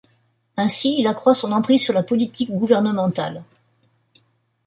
Ainsi, il accroît son emprise sur la politique gouvernementale.